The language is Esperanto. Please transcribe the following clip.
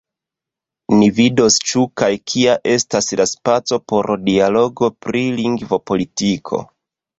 Ni vidos ĉu kaj kia estas la spaco por dialogo pri lingvopolitiko.